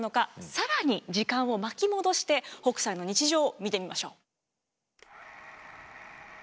更に時間を巻き戻して北斎の日常見てみましょう。